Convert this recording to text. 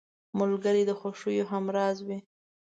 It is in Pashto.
ملګری د خوښیو همراز وي